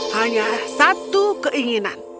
hanya satu keinginan